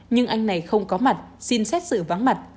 nhưng anh này không có mặt xin xét xử vắng mặt